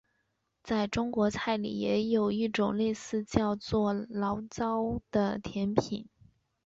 在中国菜里也有一种类似的叫做醪糟的甜品。